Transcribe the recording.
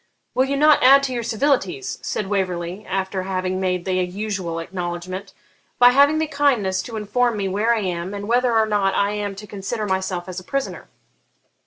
'Will you not add to your civilities,' said Waverley, after having made the usual acknowledgment, 'by having the kindness to inform me where I am, and whether or not I am to consider myself as a prisoner?'